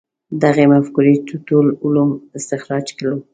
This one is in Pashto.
دغې مفکورې چې ټول علوم استخراج کړو.